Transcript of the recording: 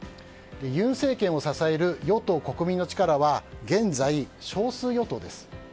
尹政権を支える与党・国民の力は現在、少数与党です。